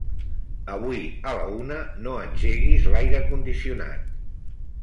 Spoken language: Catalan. Avui a la una no engeguis l'aire condicionat.